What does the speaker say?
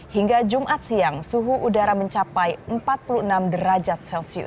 hingga jumat siang suhu udara mencapai empat puluh enam derajat celcius